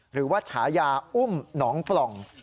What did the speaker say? หรือว่าฉายาอุ้มหนองปล่อง